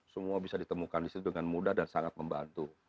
semua bisa ditemukan di situ dengan mudah dan sangat membantu